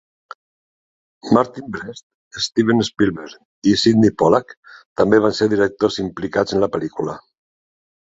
Martin Brest, Steven Spielberg i Sydney Pollack també van ser directors implicats en la pel·lícula.